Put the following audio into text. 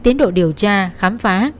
tiến độ điều tra khám phá